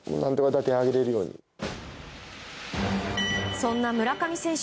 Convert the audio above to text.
そんな村上選手